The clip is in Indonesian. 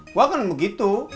gue akan begitu